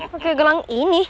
pake gelang ini